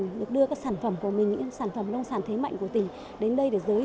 theo kết quả đánh giá của tập đoàn bất đồng sản thương mại cb richard ellis của mỹ